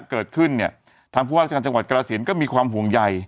เกิดขึ้นเนี่ยทางผู้ว่าราชการจังหวัดกรสินก็มีความห่วงใย